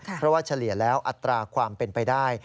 เพราะว่าเฉลี่ยแล้วอัตราความเป็นไปได้